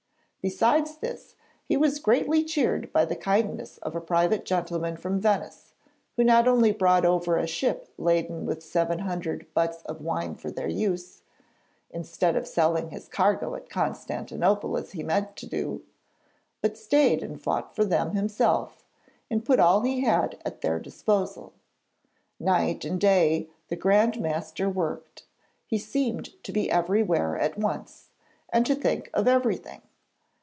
Besides this, he was greatly cheered by the kindness of a private gentleman from Venice, who not only brought over a ship laden with 700 butts of wine for their use, instead of selling his cargo at Constantinople as he had meant to do, but stayed and fought for them himself, and put all he had at their disposal. Night and day the Grand Master worked; he seemed to be everywhere at once, and to think of everything.